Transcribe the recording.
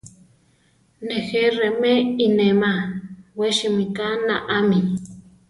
Nejé remé inéma, we simíka naámi.